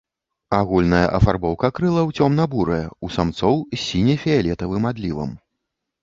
Агульная афарбоўка крылаў цёмна-бурая, у самцоў з сіне-фіялетавым адлівам.